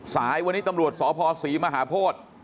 สายวันนี้ตำรวจสพศรีมหาโพธิ